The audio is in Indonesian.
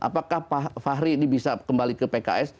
apakah pak fahri ini bisa kembali ke pks